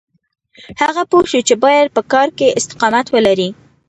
هغه پوه شو چې بايد په کار کې استقامت ولري.